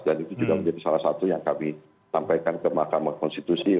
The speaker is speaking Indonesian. dan itu juga menjadi salah satu yang kami sampaikan ke mahkamah konstitusi